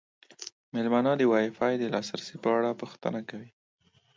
میلمانه د وای فای د لاسرسي په اړه پوښتنه کوي.